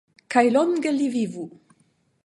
kaj longe li vivu!